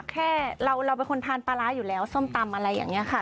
แค่เราเป็นคนทานปลาร้าอยู่แล้วส้มตำอะไรอย่างนี้ค่ะ